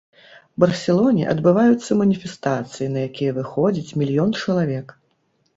Барселоне адбываюцца маніфестацыі, на якія выходзіць мільён чалавек.